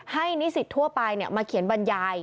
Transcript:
ให้นิสิทธิ์ทั่วไปมาเขียนบรรยาย